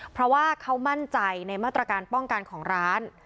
เพราะว่าเขามั่นใจในมาตรการป้องกันของร้าน